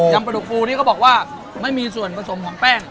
ำปลาดุกฟูนี่เขาบอกว่าไม่มีส่วนผสมของแป้ง